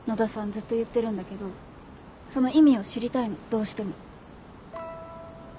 ずっと言ってるんだけどその意味を知りたいのどうしても。